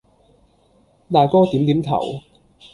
大哥點點頭。